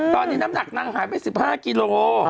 ตอนนี้น้ำหนักนางหายไป๑๕กิโล